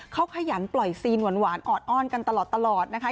เขาขยันปล่อยซีนหวานออดอ้อนกันตลอดนะคะ